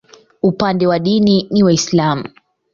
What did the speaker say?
Upande wa dini ni Waislamu.